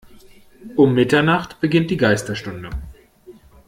Um Mitternacht beginnt die Geisterstunde.